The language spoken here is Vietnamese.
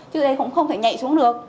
chứ đây cũng không thể nhạy xuống được